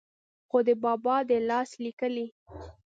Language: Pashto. خو دَبابا دَلاس ليکلې